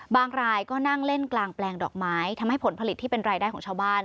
รายก็นั่งเล่นกลางแปลงดอกไม้ทำให้ผลผลิตที่เป็นรายได้ของชาวบ้าน